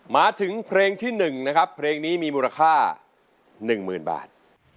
มาถึงเพลงที่๑นะครับเพลงนี้มีมูลค่า๑๐๐๐บาท